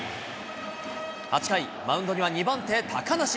８回、マウンドには２番手、高梨。